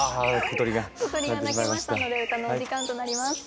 小鳥が鳴きましたので歌のお時間となります。